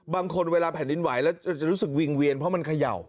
เวลาแผ่นดินไหวแล้วจะรู้สึกวิงเวียนเพราะมันเขย่า